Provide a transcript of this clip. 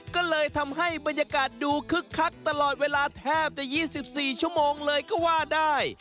ก็เลยทำให้บรรยากาศดูคึกคักตลอดเวลาแทบจะ๒๔ชั่วโมงเลยก็ว่าได้